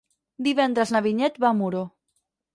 Divendres na Vinyet va a Muro.